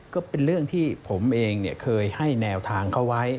ก็เป็นเรื่องที่ผมเองเคยให้แนวทางเขาไว้